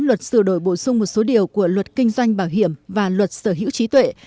luật sửa đổi bổ sung một số điều của luật kinh doanh bảo hiểm và luật sở hữu trí tuệ